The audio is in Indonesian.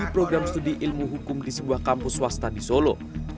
program studi ilmu hukum di sebuah kampus swasta di solo